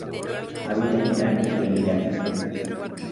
Habita en Irán y en Irak.